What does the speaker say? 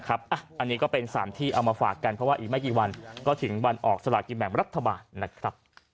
อันนี้ก็เป็นสารที่เอามาฝากกันเพราะว่าอีกไม่กี่วันก็ถึงวันออกสลากินแบ่งรัฐบาลนะครับ